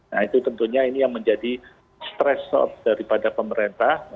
nah itu tentunya ini yang menjadi stressort daripada pemerintah